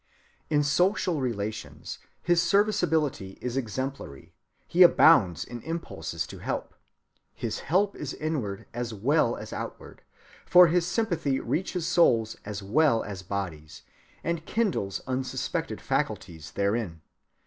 In social relations his serviceability is exemplary; he abounds in impulses to help. His help is inward as well as outward, for his sympathy reaches souls as well as bodies, and kindles unsuspected faculties therein.